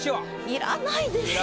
要らないですよ。